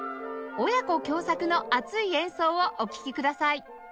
親子共作の熱い演奏をお聴きください